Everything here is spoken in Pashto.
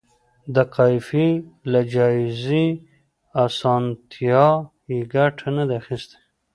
د قافیې له جائزې اسانتیا یې ګټه نه ده اخیستې.